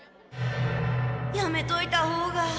やめといたほうが。